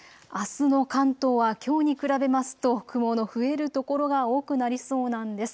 あすの関東はきょうに比べますと雲の増える所が多くなりそうなんです。